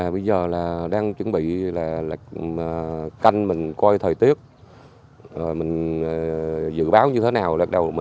bây giờ đang chuẩn bị canh mình coi thời tiết dự báo như thế nào